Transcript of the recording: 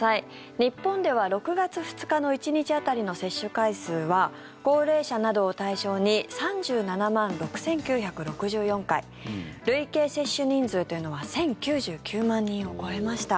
日本では６月２日の１日当たりの接種回数は高齢者などを対象に３７万６９６４回累計接種人数というのは１０９９万人を超えました。